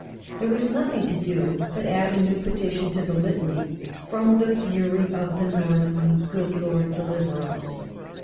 There was nothing to do but add a new petition to the litany, "From the fury of the Northmen, good Lord, deliver us."